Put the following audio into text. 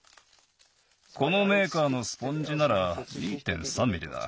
このメーカーのスポンジなら２．３ミリだ。